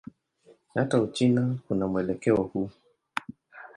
Hata Uchina kuna mwelekeo huu.